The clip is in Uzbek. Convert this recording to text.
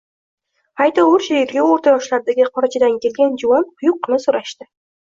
Haytovur, sherigi o`rta yoshlardagi qorachadan kelgan juvon quyuqqina so`rashdi